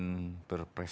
di dalam peraturan presiden